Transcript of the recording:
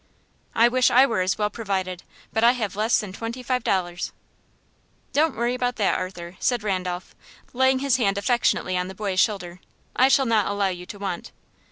"I wish I were as well provided; but I have less than twenty five dollars." "Don't worry about that, Arthur," said Randolph, laying his hand affectionately on the boy's shoulder. "I shall not allow you to want."